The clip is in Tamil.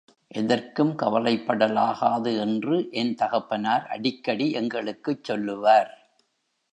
எதற்கும் கவலைப்படலாகாது என்று என் தகப்பனார் அடிக்கடி எங்களுக்குச் சொல்லுவார்.